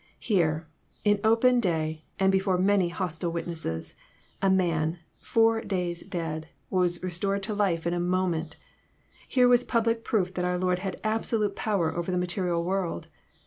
Here, in open day, and before many hostile witnesses, a man, four days dead, was restored to life in a moment. Here was public proof that our Lord had absolute power over the material world